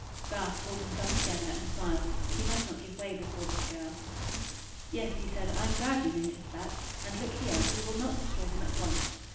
Garth pulled himself together and smiled. He must not give way before this girl. "Yes," he said; "I am glad you noticed that. And, look here. We will not destroy them at once.